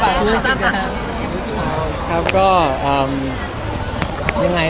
ฮัลโหลฮัลโหลไหมครับ